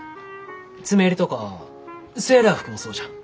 詰め襟とかセーラー服もそうじゃ。